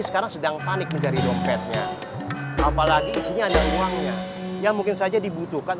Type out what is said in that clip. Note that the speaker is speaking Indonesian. sekarang sedang panik mencari dompetnya apalagi isinya ada uangnya yang mungkin saja dibutuhkan